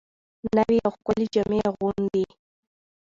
نوې او ښکلې جامې اغوندي